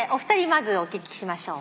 まずお聞きしましょう。